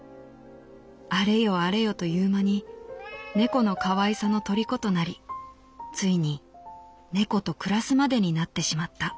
あれよあれよという間に猫の可愛さのとりことなり遂に猫と暮らすまでになってしまった」。